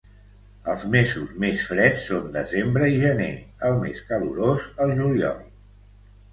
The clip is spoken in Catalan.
Els mesos més freds són desembre i gener; el més calorós, el juliol.